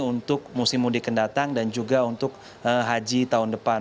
untuk musim mudik pendatang dan juga untuk haji tahun depan